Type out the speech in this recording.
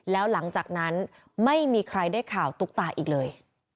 แล้วหลังจากนั้นไม่มีใครได้ข่าวตุ๊กตาอีกเลย